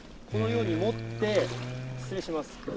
このように持って失礼します。